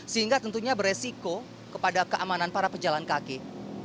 sehingga tentunya beresiko kepada keamanan para pejalan kaki